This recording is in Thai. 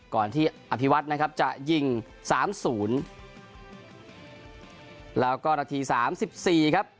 ก่อนที่อพิวัตรนะครับจะยิง๓๐แล้วก็นาตรี๓๔ครับ